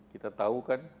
kita tahu kan